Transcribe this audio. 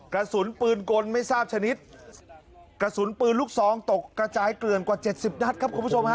กระสุนปืนกลไม่ทราบชนิดกระสุนปืนลูกซองตกกระจายเกลื่อนกว่าเจ็ดสิบนัดครับคุณผู้ชมฮะ